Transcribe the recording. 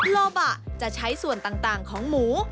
โลบะจะใช้ส่วนต่างของหมู